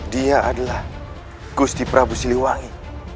dia adalah gusti prabu siliwangi